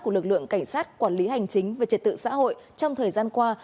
của lực lượng cảnh sát quản lý hành chính về trật tự xã hội trong thời gian qua